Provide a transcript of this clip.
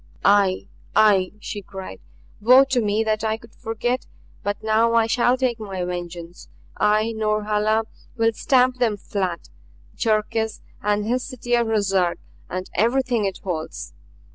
"AIE, AIE!" she cried; "woe to me that I could forget! But now I shall take my vengeance I, Norhala, will stamp them flat Cherkis and his city of Ruszark and everything it holds!